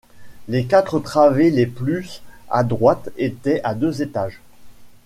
Les quatre travées les plus à droite étaient à deux étages.